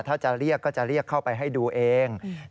ถ้าจะเรียกก็จะเรียกเข้าไปให้ดูเอง